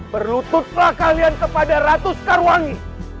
perlu tutra kalian kepada ratu sekarwangi